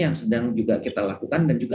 yang sedang juga kita lakukan dan juga